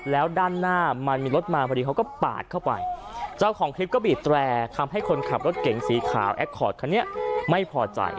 แล้วด้านหน้ามันมีรถมาพอดีเขาก็ปาดเข้าไปเจ้าของคลิปก็บีบแตรทำให้คนขับรถเก๋งสีขาวแอคคอร์ดคันนี้ไม่พอใจ